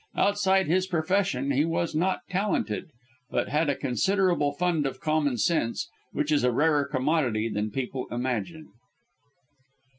Outside his profession he was not talented, but had a considerable fund of common sense, which is a rarer commodity than people imagine.